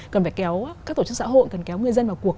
cần phải kéo các tổ chức xã hội cần kéo người dân vào cuộc